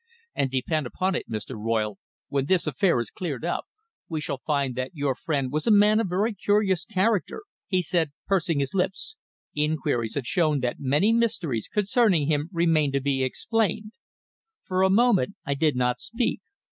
And depend upon it, Mr. Royle, when this affair is cleared up, we shall find that your friend was a man of very curious character," he said, pursing his lips. "Inquiries have shown that many mysteries concerning him remain to be explained." For a moment I did not speak.